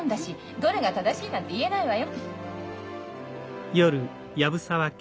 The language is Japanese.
どれが正しいなんて言えないわよ。